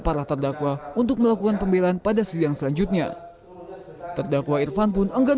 para terdakwa untuk melakukan pembelaan pada sidang selanjutnya terdakwa irfan pun enggan